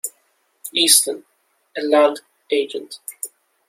Easton, a land agent.